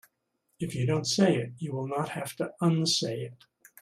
If you don't say it you will not have to unsay it.